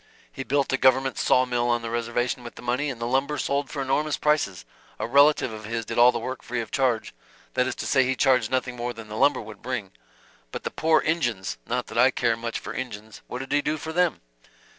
He built a government saw mill on the reservation with the money, and the lumber sold for enormous prices a relative of his did all the work free of charge that is to say he charged nothing more than the lumber would bring." "But the poor Injuns not that I care much for Injuns what did he do for them?"